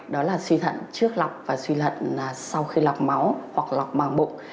đó là suy thận trước lọc và suy thận sau khi lọc máu hoặc lọc màng bụng